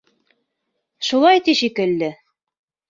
Шулай ти шикелле.